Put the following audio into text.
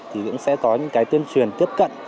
thì cũng sẽ có những cái tuyên truyền tiếp cận